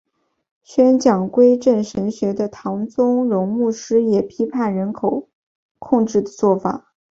宣讲归正神学的唐崇荣牧师也批判人口控制的做法。